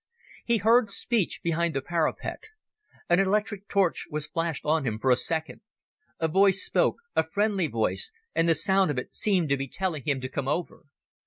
He heard speech behind the parapet. An electric torch was flashed on him for a second. A voice spoke, a friendly voice, and the sound of it seemed to be telling him to come over.